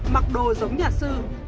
mặc đồ giống nhà sư